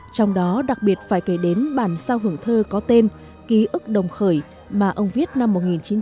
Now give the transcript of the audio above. trong đó đặc biệt phải kể đến bản giao hưởng thơ có tên ký ức đồng khởi mà ông viết năm một nghìn chín trăm tám mươi một